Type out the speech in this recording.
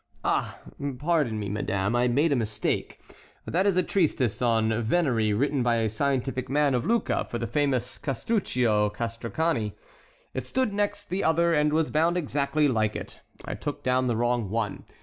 '" "Ah! pardon me, madame, I made a mistake. That is a treatise on venery written by a scientific man of Lucca for the famous Castruccio Castracani. It stood next the other and was bound exactly like it. I took down the wrong one.